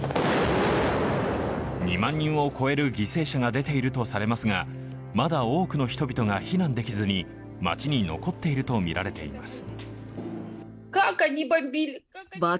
２万人を超える犠牲者が出ているとされますがまだ多くの人々が避難できずに街に残っているとみられています。